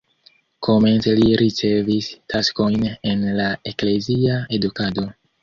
Komence li ricevis taskojn en la eklezia edukado.